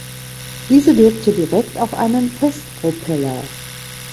Diese wirkte direkt auf einen Festpropeller.